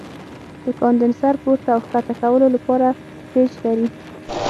د کاندنسر پورته او ښکته کولو لپاره پیچ لري.